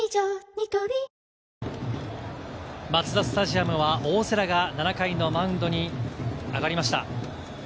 ニトリマツダスタジアムは大瀬良が７回のマウンドに上がりました。